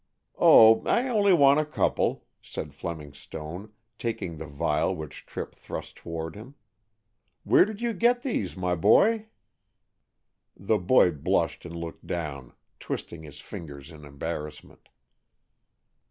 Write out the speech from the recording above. "Oh, I only want a couple," said Fleming Stone, taking the vial which Tripp thrust toward him. "Where did you get these, my boy?" The boy blushed and looked down, twisting his fingers in embarrassment.